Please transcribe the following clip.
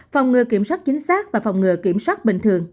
phòng ngừa kiểm soát chính xác và phòng ngừa kiểm soát bình thường